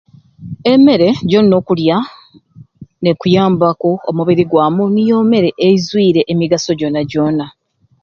Emmere gyolina okulya n'ekuyambaku omubiri gwamu niyo mmere eizwiire emigaso joona joona.